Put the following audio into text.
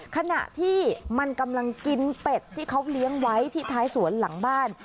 ขณะที่มันกำลังกินเป็ดที่เขาเลี้ยงไว้ที่ท้ายสวนหลังบ้าน